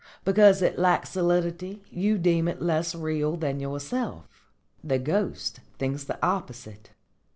Because it lacks solidity you deem it less real than yourself. The ghost thinks the opposite.